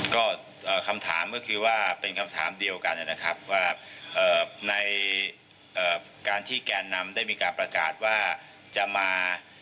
ก็คำถามก็คือว่าเป็นคำถามเดียวกันนะครับว่าในการที่แกนนำได้มีการประกาศว่าจะมา